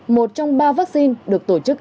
một trong ba vaccine được tổ chức